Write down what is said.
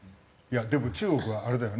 でも中国はあれだよね。